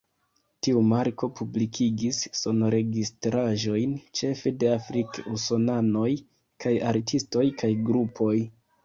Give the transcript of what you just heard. Tiu marko publikigis sonregistraĵojn ĉefe de afrik-usonanoj kaj artistoj kaj grupoj.